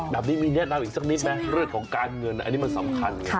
แบบนี้มีแนะนำอีกสักนิดไหมเรื่องของการเงินอันนี้มันสำคัญไง